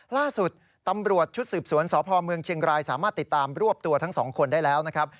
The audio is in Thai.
ล่าสุดตำรวจชุดสืบสวนสพเมืองเชียงรายสามารถติดตามรวบตัวทั้งสองคนได้แล้วนะครับ